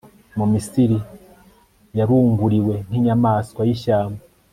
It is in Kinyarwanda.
mu misiri yarunguriwe nk'inyamaswa y'ishyamba